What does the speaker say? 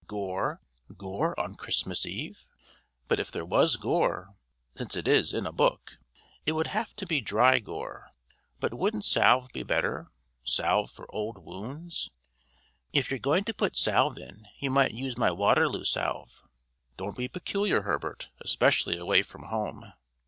"Gore! Gore on Christmas Eve! But if there was gore, since it is in a book, it would have to be dry gore. But wouldn't salve be better salve for old wounds?" "If you're going to put salve in, you might use my Waterloo salve!" "Don't be peculiar, Herbert especially away from home!"